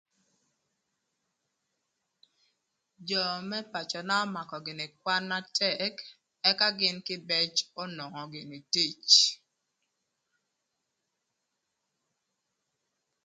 Jö më pacöna ömakö gïnï kwan na tëk, ëka gïn kïbëc onwongo gïnï tic.